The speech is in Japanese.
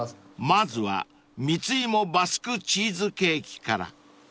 ［まずは蜜芋バスクチーズケーキから］